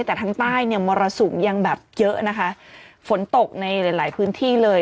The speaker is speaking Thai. แต่ทางใต้เนี่ยมรสุมยังแบบเยอะนะคะฝนตกในหลายหลายพื้นที่เลย